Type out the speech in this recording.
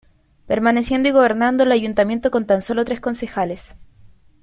Permaneciendo y gobernando el ayuntamiento con tan solo tres concejales.